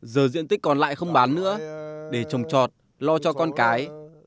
giờ diện tích còn lại không bán nữa để trồng trọt lo cho con cái